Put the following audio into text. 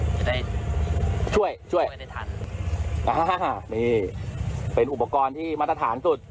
จะได้ช่วยช่วยได้ทันอ่านี่เป็นอุปกรณ์ที่มาตรฐานสุด